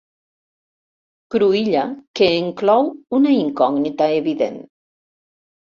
Cruïlla que enclou una incògnita evident.